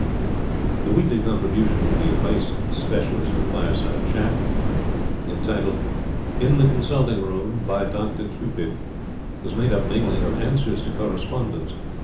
The weekly contribution of the advice specialist of Fireside Chat, entitled 'In the Consulting Room, by Dr Cupid', was made up mainly of Answers to Correspondents.